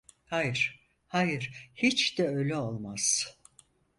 Hayır, hayır, hiç de öyle olmaz.